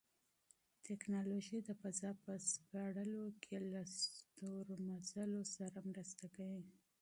تکنالوژي د فضا په سپړلو کې له ستورمزلو سره مرسته کوي.